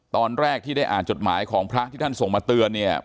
ตอนแรกที่ได้อ่านจดหมายของพระที่ท่านส่งมาเตือนเนี่ย